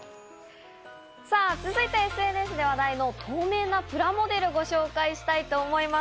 さぁ続いてＳＮＳで話題の透明なプラモデルをご紹介したいと思います。